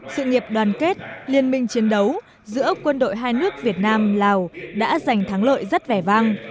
sự nghiệp đoàn kết liên minh chiến đấu giữa quân đội hai nước việt nam lào đã giành thắng lợi rất vẻ vang